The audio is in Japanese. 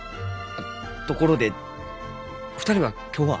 ところで２人は今日は？